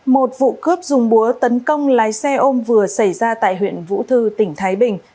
một vụ cướp dùng búa tấn công lái xe ôm vừa xảy ra tại huyện vũ thư tỉnh thái bình